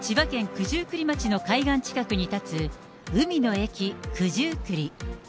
九十九里町の海岸近くに建つ海の駅九十九里。